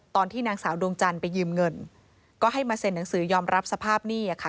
ตอนที่นางสาวดวงจันทร์ไปยืมเงินก็ให้มาเซ็นหนังสือยอมรับสภาพหนี้อะค่ะ